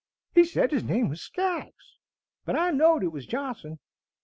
He said his name was Skaggs, but I knowd it was Johnson.